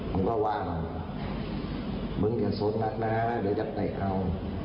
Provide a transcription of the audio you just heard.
มันก็วางมึงอย่าสนัดนะเดี๋ยวจะเตะเขา